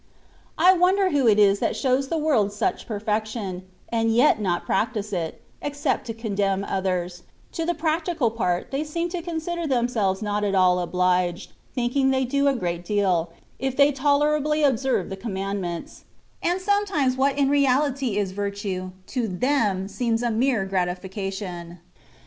I wonder who it is that shows the worid soch perfection, and yet not practise it, except to con demn others (to the practical part they seem to consider themselves not at all obliged, thinking they do a great deal, if they tolerably observe the Commandments) : and sometimes what in reality is virtue, to them seems a mere gratification.